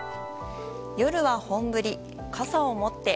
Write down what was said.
夜は本降り、傘を持って。